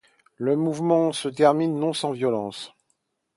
Le mouvement se termine non sans violence.